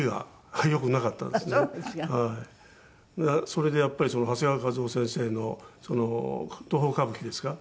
それでやっぱり長谷川一夫先生の東宝歌舞伎ですか。